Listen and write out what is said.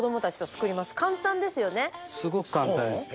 すごく簡単です。